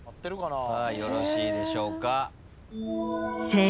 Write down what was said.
よろしいでしょうか？